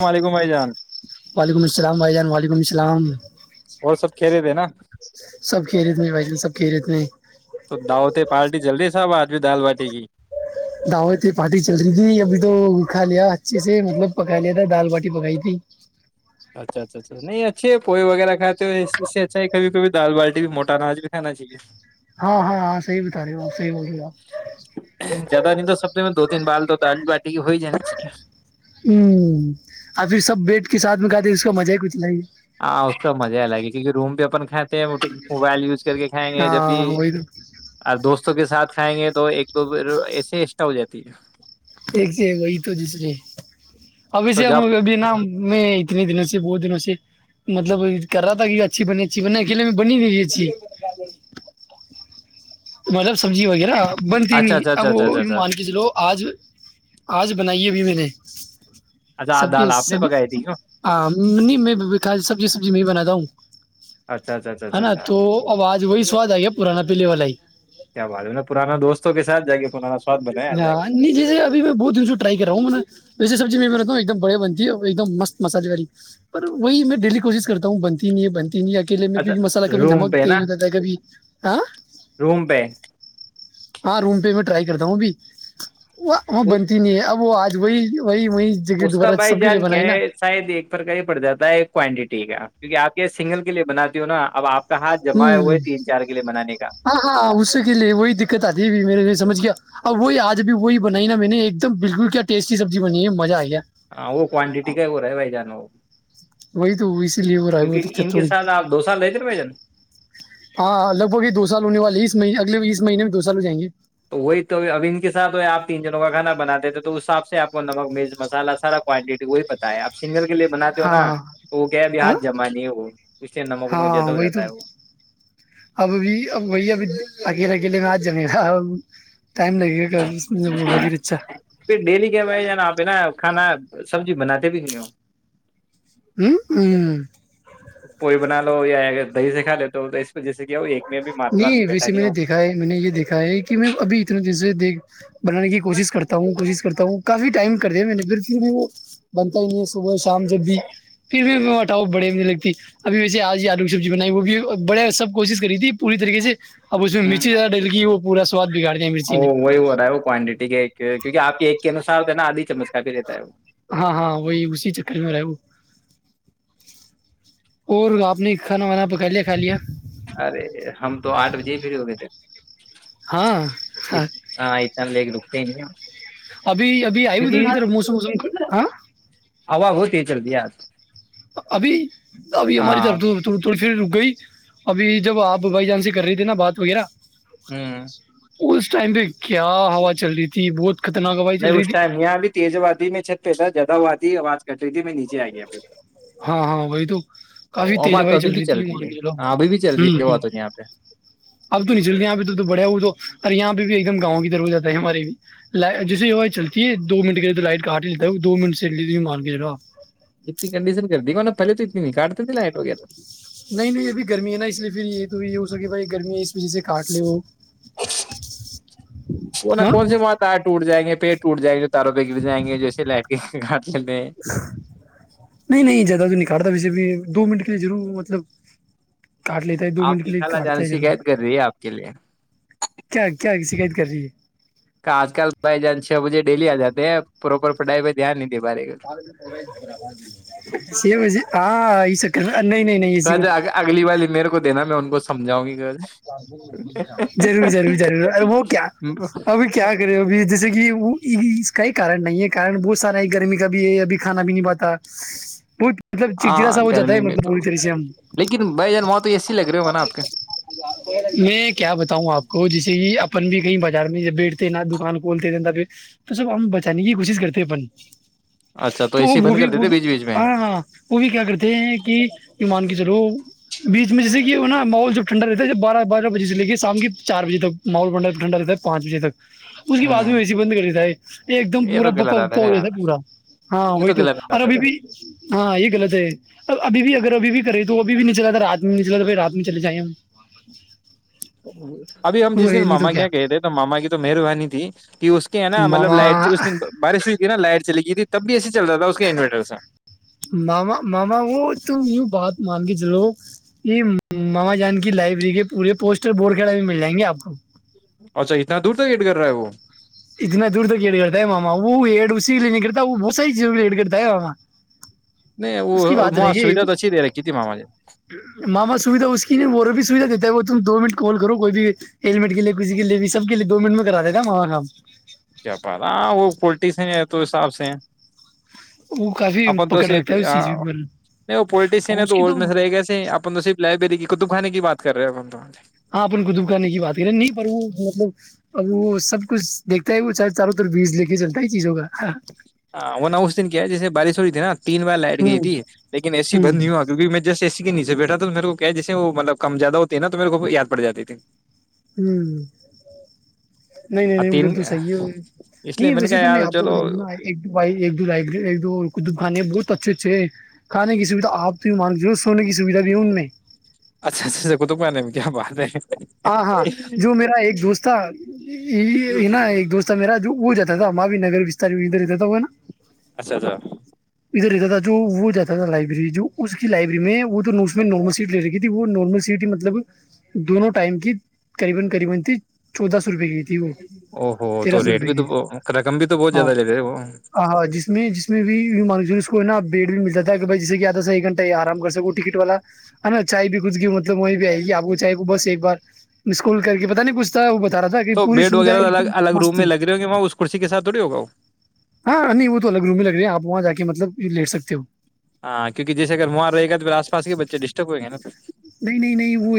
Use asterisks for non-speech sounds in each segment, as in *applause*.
السلام علیکم بھائی جان وعلیکم السلام بھائی جان وعلیکم السلام اور سب کہہ رہے تھے نا سب خیریت میں بھائی جان سب خیریت میں تو داؤتے پارٹی جلدی سے س ب آج بھی دال باٹی کی داو ت پارٹی چل رہی تھی ابھی تو کھا لیا اچھے سے مطلب پکا لیا تھا دال باٹی پکائی تھی اچھا اچھا اچھا نہیں اچے پوئے وغیرہ کھاتے ہیں اس سے اچھا ہے کبھی کبھی دال بالٹی بھی موٹا ناج بھی کھانا چاہیے ہاں ہاں ہاں صحیح بتا رہی ہو صحیح بول رہی آپ دن بالد تج بٹی ہو جاچ ہوں ا پھر سب بیٹ کے ساتھ میں کہاتے اس کا مزہ ہی کچھ نہیں ہے ہاں اس کا تو مزہ ہی لگی کیونکہ روم بھی اپن کھاتے ہیں موبائل ز کر کے کھائیں گے جب بھی ہاں وہی تو دوست دوستوں کے ساتھ کھائیں گے تو ایک دو ایسے ایکٹا ہو جاتی ہے ایک سے وہی تو جسرے ابھی سے تو ہم جب ابھی نا میں اتنے دنوں سے بہت دنوں سے مطلب کر رہا تھا کہ اچھی بنی اچھی بن اکیلے میں بنی گئی اچھی مطلب سبزی وغیرہ بنتی اچھا نہیں اچھا اب اچھا اچھا وہ اچھا بھی اچھا مان کے چلو آج آج بنائی ابھی میں نے ج اچھا سب دال کے آپ نے پکائی تھی کیوں سبھینی میں سبزی سب جی میں باتا ہوں اچھا اچھا اچھا ہے اچھا نا اچھا تو آواز وہی سواد آ گیا پرانا پیلے والا ہی کیا بعد میں پرانا دوستوں ساتھائ گے ہاں نہیں جیسے ابھی میں بہت دن سے ٹرائی کرا ہوں ویسے ہ ایک دم بڑیا بنتی ہے اور ایک دم مست مسالے والی پر وہی میں ڈیلی کوش کرتا ہوں بنتی ہی نہیں ہے بنتی تین یا اکیے میں اچھا کیکہ مسالہ کھی روم پہ نمک نا تیز ہو جا ہے کبھی ہاں روم پہ ہاں روم پہ میں ٹرائی کرتا ہوں ابھی وہ وہ بنتی نہیں ہے اب وہ آج وہی وہی وہی جگہ اس کا دوبارہ بھائی سب کے لیے جان کیا بنائی نا ہے شاید ایک پرھر کا ہی پڑ جاتا ہے کوانٹیٹی ٹھیک ہے کیکہ آپ یہ سنگل کے لیے بنا د ہو نا اب آپ کا ہاتھ ہ جمع ہوا ہے تین چار کے لیے بنانے کا ہاں ہاں اس کے لیے وہی دقت آتی مے نہیں سمجھ گیا اب وہی آج اب وہی بنائی نا میں نے ایک دم بالکل کیا ٹیسٹی سبزی بنی ہے مزہ آ گیا ہاں وہ کوانٹٹی کا ہو رہا ہے بھائی جانو وہ وہی تو اسی لیے ہو رہا ہے وہ کیونکہ دقت ان کے تھوڑی ساتھ آپ دو سال رہتے نا بھائی جان ہاں لگ بھگ ہی دو سال ہونے والے اس مہ اس مہنے میں دو سال ہو جیں گے *unintelligible* تو وہی تو اب ان کے سات ہو آ تین جنوں کا کانا بناتے تھے تو اس حساب سے آپ کو نمک مرچ مسالا سارا کوانٹٹی وہی پتتا ہے آپ سنگل کے لیے بناتے ہو نا ہاں تو وہ کیا اب ہاں ہاتھ جما نہیں ہو وہ اس سے نمک ومک جیادہ ہاں ہو وہی تو جاتا ہے وہ *unintelligible* گلی میں آج جمے گا *unintelligible* گا کافی پھر اچھا پھر ڈیلی کیا بج ج نا آپ نا کھانا *unintelligible* سبزی بناتے بھی ہوئی ہ ہوں ہوں یاگر دہی سے کا ل توہ جس *unintelligible* نہیں ویسے میں نے دیکھا ہے میں نے یہ دیکھا ہے کہ میں ابھی اتنے دن سے دیکھ *inaudible* بنانے کی کوشش کرتا ہوں کوشش کرتا ہوں کافی ٹائم *unintelligible* د نے پھر پھر بھی وہ بنتا ہی نہیں ہے صبح شام جب بھی پھر بھیٹاؤ بڑے لگتی ابھی ویسے آج آلو کی سبزی بنائی وہ بھی بڑے سب کوشش *unintelligible* کر تھی پوری طریق سے *unintelligible* اب اس میں میچے زیادہ ڈل گی وہ *unintelligible* پورا سواد *unintelligible* ا مرچی نے وہی ہو رہتا ہے وہ کوانٹیٹی کے کیکہ آپ ایک ین آدھی چمک *unintelligible* ہاں ہاں وہی اسی چ *unintelligible* اور آپ نے کھانا وانا پکا لیا کھا لیا *unintelligible* ارے ہم تو آٹھ بجے ہی فری ہو گئے تھے *unintelligible* ہاں اتنا لےگ ل *unintelligible* *inaudible* نہیںیا ابھی ابھی آئی ادھر کی طرف موسم ووسم ہاں جلدی آج *inaudible* ابھی *inaudible* اب ہماری ہاں طرڑ پھر رک گئی ابھی جب آپ بائی جان سے کر رہی تھے نا بات وغیرہ *inaudible* ہ اس ٹائم سے کیا ہوا چل رہی تھی بہت *inaudible* چل نہیں رہی اس تھی ٹائم یہاں ابھی تیز وادی میں چھت پہتا جات ہواھی آواز کٹ رہ تھی میں نہیں *inaudible* ہاں ہاں وہی تو تو کافی اب بات تو تیزائی ابھی چل بھی رہی ہے تھیلو ہاں ابھی بھی چل رہی ہے وہ تو یہاں پہ اب تو نچلتے یہ پہ تو تو بڑیا ہوا تو *inaudible* اورر یہاں پہ بھی ایک دم گاؤں کی طرف ہو جات ہے ہمارے بھی جیسے ہو چلتی ہے دو منٹ کے لائٹ کا ہٹ جلتا ہے وہ دو منٹ سے لی مار کے آپ اتنی کنڈیشن کر دی نا پہے تو اتنی نکٹتے لائٹ وغیرہ نہیں نہیں ابھی گرمی ہے نا اس لیے پھر یہ تو یہ ہو سکے بھائی گرمی ہے اس وجہ سے کاٹ لے وہ وہ نا ہاں کون سی موت آئے ٹوٹ جائیں گے پیٹ اٹ جائے تاروں پیک بھی جائیں گے جیسے لے کے گات نہیں نہیں نکھارتا وے بھی دو منٹ کے لیے ضرور مطلب کاٹ لیتا ہے دو آپ منٹ کے کی لیے خال کاٹتا جان ہے ضرور شکایت کر رہی ہے آپ کے لیے کیا کیا شکایت کر رہی ہے آج کل بھائی جان چھ بجے ڈیلی آ جاتے ہیں پراپر پڑھائی پہ دھیان نہیں دے پا رہے ہاں ای سب کر رہ نہیں نہیں نہیں ایی کو سمجاؤ گی ضرور ضرور ضرور وہ کیا ابھی کیا کرے ہو ابھی جیسے کہ وہ اس کا ہی کارن نہیں ہے کار بہت سارا گرمی کا بھی ہے ابھی کھانا بھی نہیں پاتا مطلب چڑچڑا ہاں سا ہو جاتا ہے گرمی میں مطلب تو پوری طرح سے ہم لیکن بھائی جان وہاں تو ای لگ رہے ہوا نا آپ کے میں کیا بتاؤں آپ کو جیسے کہ اپن بھی کہیں بازار میں بیٹھتے نا دکان کھولتے تھے پھر تو سب ہم بچانے کی کوشش کرتے اپن اچھا تو اے سی وہ بند بھی کر وہ دیتے بیچ بیچ میں ہاں ہاں وہ بھی کیا کرتے ہیں کہ ایمان کی چرو بیچ میں جیسے کہ نا ماحول جو ٹھڈا رہتا ہے بارہ بہ بج سے لے کے شام کے چار بجےک ماحولنڈ ٹھڈا رہتا ہےانچ بجے تک اس کے بعد ہوں میں و سی بند کر دیتا ہے یہ ایک دم تو پورا پا پا غلط آتا تھا ہو جاتا ہے یار پورا ہاں یہ وہی تو غلط اور آتا ابھی تھا بھی ہاں یہ غلط ہے ابھی بھی اگر ابھی بھی کری تو وہبھی بھی نہیں چلاتا تھا رات میں نہیں چلا توائی رات میں چل جائیں ہم بچ ابھی ہم جس دن ماما کیا کہے تھے تو ماما کی تو مہربانی تھی کہ اس کے نا مطلب ماما لائٹ اس دن بارش نا لائٹ چلی گئی تب بھی ایسے چلتا تھا اس کے انوریٹر سے ماما ماما وہ توم یوں بات مان کے چلو یہ ماما جان کی لائبریری کے پورے پوسٹر بور کھڑا بھی مل جائیں گے آپ کو اچھا اتنا دور تک ایڈ کر رہا ہے وہ اتنا دور تک یہڈ کرتا ہے ماما وہ اسی کے لیے نہیں کرت,, ا ہے وہ بہت ساری چیزوں کرتا ہے ماما نہیں وہ اس کی بات م رہے گی سویدھا توچ دے رہا کت مع مھے ماما سویدھا اس نہیں وہ بھی سویدھا دیتا ہے وہ تم دو منٹ کال کرو کوئی بھی ہیللمٹ کے لیے کسی کے لیے سب کے لیے دو منٹ میں کرا دیتا کام جپان ہاں وہ پولٹیسن ہے تو حساب سے ہیں وہ کافی اپن پکڑ توسی رکھتا ہے اس چیز کے اوپر نہیں وہ پوولٹیشن اور ہے اس کی تو میںس رہے گیا اپن تو پل ری کی کتطب خانے کی بات کرے ہو کم جی ہاں اپن قطب کرنے کی بات کریں نہیں پر وہ مطلب اب وہ سب کچھ دیکھتا ہے وہ چ چاروں طرف بیج لے کے چلتا ہے چیزوں کا ہاں وہ ن اس دن کیا ہے جیسے بارش ہو رہی تھی نا تین بار لائٹ گئی ہوں تھی لیکنے س ہوں بند نہیں ہوا کیونکہ میں جسے س کے نیچے بیٹھا تو میرے کو کہ جیے وہ ملب کم زیادہ ہوتے نا تو میرے کو یاد پڑ جات تے ہوں نہیں نہیں اور نہیں ادھر تین تو صحیح ہے اس لیے نہیں نے ویسے کہا تو میں یار آپ کو چلو بتا دوں نا ایک ایک دو لائ ایک دو کچھ دکانیں ب تچ چی کھانے کی سوھا آپ مار جو س ہونے کی سویدھا بھی ہے ان میں اچھا اچھا اچھا کطب آنے میں کیا بات ہے ہاں ہاں جو میرا ایک دوست تھا یہ نا ایک دوست میرا وہ جاتا تھا ہم بھی نگر ساریدھر ج تو ہوئے نا اچھا اچھا ادھر لیتا تھا جو وہ جاتا تھا لائبریری جو اس کی لائبری میں وہ تو نارمل سیٹ لے رہی تھی وہ نارمل سیٹ ہی مطلب دونوں ٹائم کی قریبا قریبان تھی چودہ سو روپئے کی تھی وہ او ہوو تو تیرہ سو ریٹ روپئے بھی تو کی رقم بھی تو بہت ہاں زیادہ لے رہے وہ ہاں جس میں جس میں بھی یوں مان اس کو ہے نا بیڈ بھی ملتا تھا کہ جسے کہ آد س ایک گھٹہ آرام کر سکو ٹکٹ والا ہے نا چائے بھی کچھ مطلب وہ بھی آئے گ کہ آپ کو چائے کو بس ایک اسکول کر کے پتا نہیں پچھتا ہے وہ ب رہا تھا کہ تو پوری بیڈ سوھا وغیرہ ایک الگ دم الگ روم مست میں لگ رہے ہوں گے وہاں اس کرسی کے ساتھ تھوڑی ہوگا وہ ہاں رنی وہ تو الگ رووم میں لگ رہی ہیں آپ وہاں جا کے کہ مطلب لیٹ سکتے ہو ہاں کیک جیسے اگر وہاںار رہ گا تو پھر آس پس کے بچے ڈسٹرب ہو گا نہیں نہیں نہیں وہ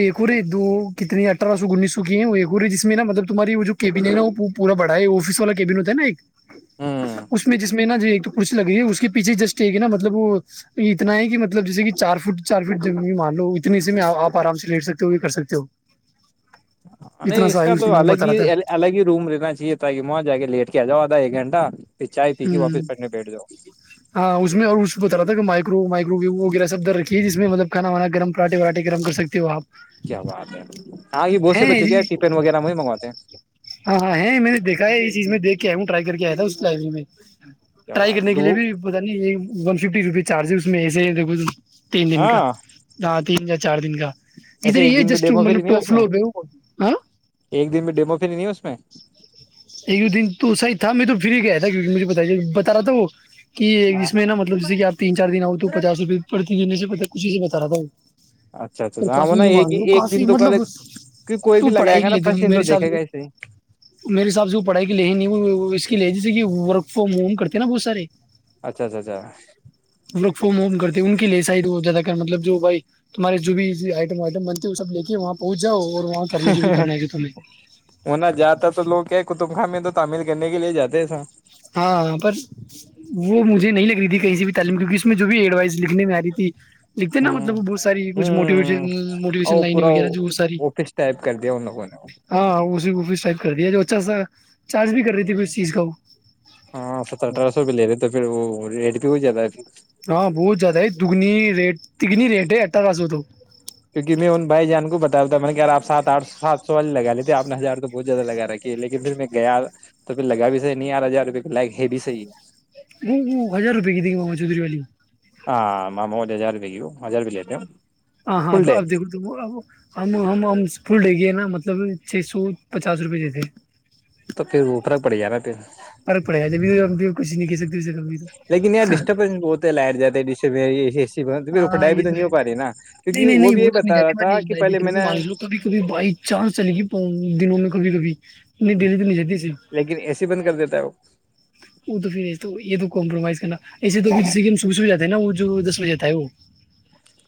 تو ہے جس میں ناطلب تمہاری وہ جو کیبن ہے ن وہ پورا بڑا ہے آفس والا کیبن ہوتا ہے نا ہوں اس میں جس اس میں نا ایک کسی لگی ہے اس کے پیھے جسٹ ایک ہے نا مطلب وہ اتنا ہے کہ مطلب جیسے کہ چار فٹ چار فٹ ج مان لو اتنے اس میں آپ آرام سے لٹ سکتے ہو یا کر سکتے ہو نہیں اتنا اس سا کا ہے تو میں وہ بتا الگ رہا تھا ہی الگ ہی روم رہیننا چاہیے تھااکہ وہاں جا کے لیٹ کیج ہوادا ایک گنٹا ہ ہاں اس میں اور اس بتر مائرو مائکرو وی ویرہ سب د رکھی جس مطل کھا وانا گم پراٹے پرٹ کیا بات ہے ہاں یہ بہت سے ہیں بچے جی کیا ٹفن وغیرہ وہی منگواتے ہیں ہاں ہاں میں نے دیکھا ہے یہ چیز میں دیکھ آیا ہوں ٹرائی کر کے آیا تھا اس لائبریری میں کیا ٹرائی بات ہے کرنے کے تو لیے بھی پت نہیں یہ ون ففٹی روپز چارج ہے اس میں ایسے ہی ہے دھو تین دن کا ہاں ہ تین ج چار دن کا ادھر ایسے ایک یہ دن میں جسٹ ڈیمو پری مطلب نہیں ہے ٹاپ اس میں فلور پہ ایک دن میں ڈیمو پری نہیں ہے اس میں ای دن تو ساہ تھا میں تو پھرری گیا تھا کیکہ مجھے بتائی بتا رہا تھا وہ کہ اسس میں نا مطلب جیس کہ آپ تین چارن آؤ تو پچس روپےڑتی جنے سے پ کچھ سے بتا رہا تھا اچھا تو اچھا ہاں کافی نا یوں یہ مانگ ہی رہے ایک دن کافی تو پہلے مطلب کی کوئی وہ بھی لگائے پڑھائی گا کے نا لیے پچ دن تو میرے حساب دیکھے گا سے ایسے ہی میرے حساب سے وہ پڑھائی کے لے ہے نہیں وہ اس کے لیے جیسے کہ ورک فرام ہوم کرتے نا بہت سارے اچھا اچھا اچھا ف وم کرتے ان کی لیے سائڈ زیادہ مطلب جو بائی تمہارے جو بھی آٹم وائٹم بنتی ہے وہ سب لے کے وہاں پہنچ جاؤ اور وہاں کرنے جو بھی کرنا ہے کہ تمہیں ا تو لو کیا کطب خاہ میں تو تامل کرنے کے لیے جاتے سا ہاں پر وہ مجھے نہیں لگ رہی تھی کہیں بھی تعلیم کیونکہ اس میں جو بھی ایڈوائز لکھنے میں آ رہی تھی لکھتے نا مطلب بہت ساری ہ کچھ ہ موٹیویشن اور موٹیویشن وہ لن پورا وغیرہ جو بہت ساری آفس ٹائپ کر دیا ان لوگوں نے ہاں کر دیا جو اچھا سا چارج بھی کر رہی تھی ک اس چیز کا کو وہ ہاں ست اٹھہ سو پہ لے رہے تو پھر وہ پ ہو جاتا ہےھر ہاں بہت زیادہ ہے دگنی ریٹ تکگنی ریٹ ہے اٹھاراس ہو تو کیونک میں ان بھائی جان کو بتا دیتا تھا میںط نے ی آپ سات آٹ سو سات سو والے لگا لیتے آپ نے ہزار تو بہت زیادہ لگا رکھی ہے لیکن پھر میں گیا تو پھر لگا بھی صحی نہیں ار ہزار روپئے کا لائگ ہے بھی صحی ہے *inaudible* ہ ہزار روپئے کی تیں گ ما چودری والی ہاں ممج ہزار بھی گ ہو ہزار بھی لےتے ہاں ہاں اب دب ہم پل ڈے گ ہے نا مطلب چھ سو پچاس روپئے دیتے تو پھر اوپرا پڑ جان نا پھر پرق پڑےے کچ نہیں کہ ستے اسے کب بھی لیکن یہاں ڈسٹربینس بہت ہے لائٹ جاتا ہے ڈسٹربس ای ای ہاں یہ تو ہے نہیں کیونکہ نہیں نہیں بھی وہ یہ تو نہیں بتا رہا جاتی ہماری تھا کہ لائف پہلے طرف میں نے مس لو کبھی کبھی بائی چانس چلے گی دنوں میں کبھی کبھی نہیں دلی ت نہیں جتی لیکن ایسے ہی بند کر دیتا ہے وہ وہ تو پھر تو یہ تو کمپرومائز کرنا ایسے توھر ج صبح صبح جاتا ہے نا وہ جو دس بجے جاتا ہے وہ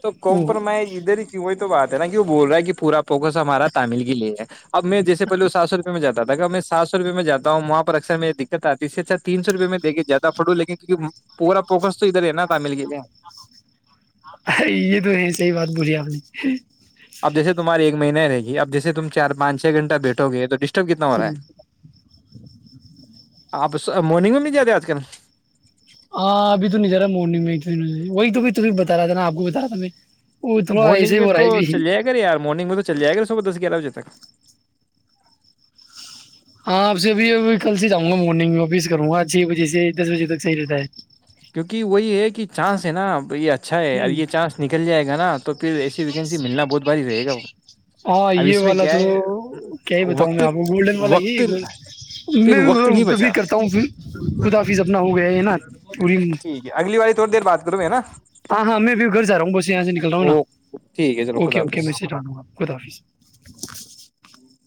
تو وہ کمپرومائز ادھر ہی کی ہوئی تو بات ہے نا وہ بول رہا ہے کہ پورا فوکس ہمارا تامل کی لیے ہے اب میں جیسے پہے اسار میں جاتا تھا میں سات سو روپئے میں جاتا ہوں وہاں پر اکثر میے دقت آتی ہے سے اھا تین سو روپئے میں دےے زیادہ پٹو لیکے کیہ پورا فوکس تو ادھر ہے نا تامل کے لیے یہ تو ہے صحی بات بولی آپ نے اب جیے تمہاریے ایکہین رہ گی اب جیے تم چاران چ گھٹھ گے ڈسٹرب کتنا ہو ٹی رہا ہے آپ مارننگ میں مل جاتے آج کل ج وہی تو بھی تمہیں بتا رہا تھا نا آپ کو بتا رہ تھا میں وہ تو تھوڑا ایسے مارنگ ہی میں ہو رہا تو ہے بھی چل ج گا یارنگ میں تو چل جائے گا صبح دس گیارہ بجے *unintelligible* ہاں آپ سے اب ابھی کل سے جاں گا مارننگ میں آافس کروں گا چھ بجے سے دس بجے تک صحیح رہتا ہے کیونکہ وہی ہے کہ چانس ہے ن ب یہ اچھا ہے اب ہ یہ چانس نکل جائے گا نا آ تو پھر ایسی ویکینسی ملنا بہت باری رہے گا ہاں اب یہ اس میں والا کیا تو ہے کیا ہی بتاؤں گ وقت میں آپ کو گولڈن والا وقت یہ پھر میں وقت نہیں کبھی بچا کرتا ہوںھر خداف اپنا ہو ہیںینات پوری ٹھیک ہے اگلی باری تھوڑی دیر بات کروں گے نا ہاں ہاں میں بھی گھر جا رہا ہوں بس یہاں سے نکل رہا ہوں نا او ٹھیک ہے چلو اوکے خدا اوکے حافظ میں سےٹوں گا *unintelligible*